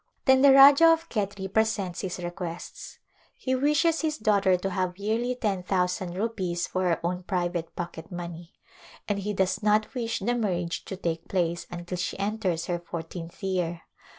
Then the Rajah of Khetri presents his requests. He wishes his daughter to have yearly ten thousand rupees for her own private pocket money, and he does not wish the marriage to take place until she enters her fourteenth year.